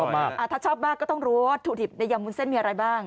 ถ้าชอบมากก็ต้องรู้ว่าถุดิบในยำวุ้นเส้นมีอะไรบ้าง